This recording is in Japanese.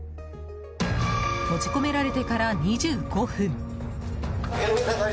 閉じ込められてから２５分。